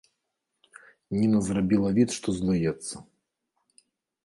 Ніна зрабіла від, што злуецца.